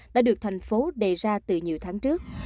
đã được thành phố đề ra từ nhiều tháng trước